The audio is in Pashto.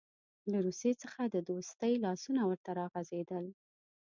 له روسیې څخه د دوستۍ لاسونه ورته راغځېدل.